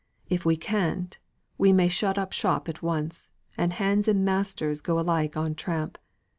If we can't, we may shut up shop at once, and hands and masters alike go on tramp.